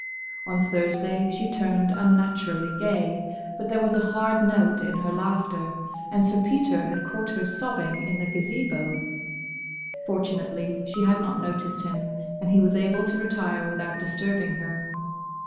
On Thursday she turned unnaturally gay, but there was a hard note in her laughter, and Sir Peter had caught her sobbing in the Gazebo. Fortunately she had not noticed him, and he was able to retire without disturbing her.